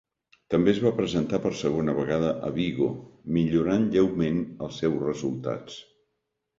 També es va presentar per segona vegada a Vigo, millorant lleument els seus resultats.